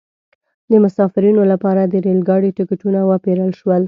د مسافرینو لپاره د ریل ګاډي ټکټونه وپیرل شول.